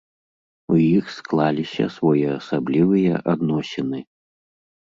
У іх склаліся своеасаблівыя адносіны.